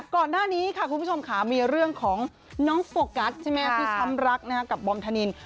ก่อนหน้านี้ค่ะมีเรื่องของเนื้อน้องโฟกัส